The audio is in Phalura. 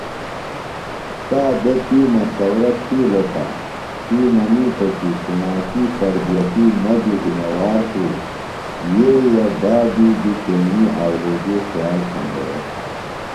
تا بےۡ تی مشورہ تِھیلوۡ تہ تی منِیتوۡ کی کُݨاکی تربیتیۡ مہ بیۡ زِمہ وار خو یئے بابی بیۡ تیݨی اولیدی خیال تھینڈیوۡ۔